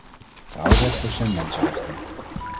Vrouwenrechten zijn mensenrechten.